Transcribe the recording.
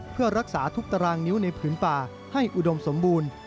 เพื่อรักษาทุกตารางนิ้วในผืนป่าให้อุดมสมบูรณ์